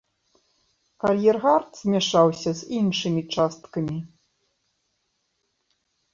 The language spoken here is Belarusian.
Ар'ергард змяшаўся з іншымі часткамі.